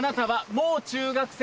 「もう中学生」？